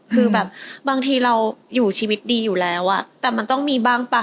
คือแบบบางทีเราอยู่ชีวิตดีอยู่แล้วอ่ะแต่มันต้องมีบ้างป่ะ